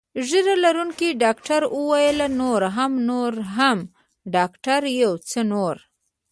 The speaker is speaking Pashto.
ږیره لرونکي ډاکټر وویل: نور هم، نور هم، ډاکټره یو څه نور.